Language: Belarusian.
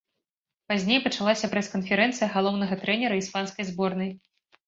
Пазней пачалася прэс-канферэнцыя галоўнага трэнера іспанскай зборнай.